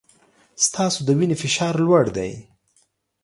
ستاسو د وینې فشار لوړ دی.